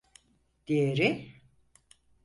Diğeri?